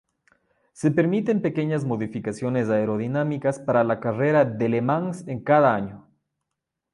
Se permiten pequeñas modificaciones aerodinámicas para la carrera de Le Mans en cada año.